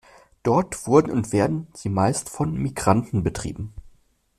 Dort wurden und werden sie meist von Migranten betrieben.